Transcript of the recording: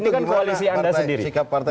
ini kan koalisi anda sendiri